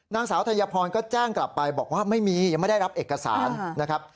นางสาวธัญพรก็แจ้งกลับไปบอกว่าไม่มียังไม่ได้รับเอกสารนะครับ